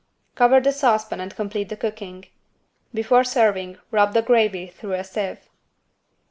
Cover the saucepan and complete the cooking. Before serving rub the gravy through a sieve.